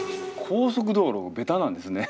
高速道路ベタなんですね。